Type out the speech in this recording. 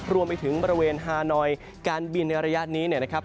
รวมไปถึงบริเวณฮานอยการบินในระยะนี้เนี่ยนะครับ